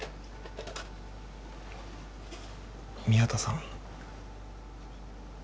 宮田さん。